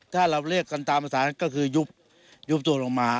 ถ้าเราเรียกกันตามภาษาก็คือยุบตัวลงมา